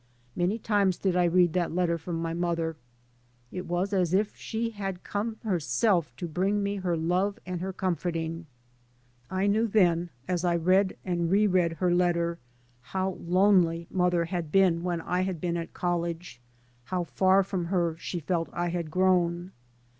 Many times did I read that letter from my mother. It was as if she had come herself to bring me her love and her comforting. I knew then, as I read and [ISO 3 by Google A/y MOTHER AND 1 re read her letter, how lonely mother had been when I had been at college, how far from her she felt I had grown.